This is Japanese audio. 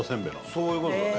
そういう事だね。